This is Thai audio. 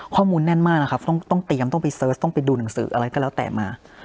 แน่นมากนะครับต้องเตรียมต้องไปเสิร์ชต้องไปดูหนังสืออะไรก็แล้วแต่มา